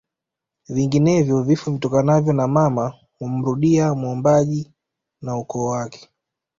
Vinginevyo vifo vitokanavyo na mma humrudia mwombaji na ukoo wake